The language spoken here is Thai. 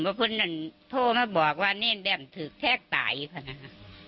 ป๋าก็พึงอ่านโท้มาบอกว่านี่แด่มถึกแท้กตายค่ะนะค่ะ